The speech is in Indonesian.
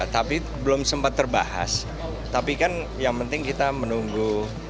tapi belum sempat terbahas tapi kan yang penting kita menunggu